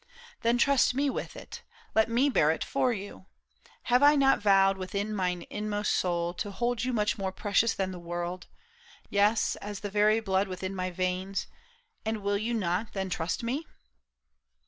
Then trust me with it, let me bear it for you ; Have I not vowed within mine inmost soul To hold you much more precious than the world^ 3 50 PAUL I SHAM. Yes, as the very blood within my veins, And will you not then trust me